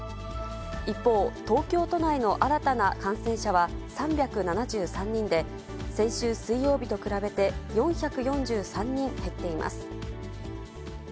一方、東京都内の新たな感染者は３７３人で、先週水曜日と比べて４４３人減っています。